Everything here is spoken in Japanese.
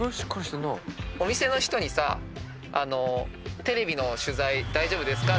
お店の人にさ「テレビの取材大丈夫ですか？」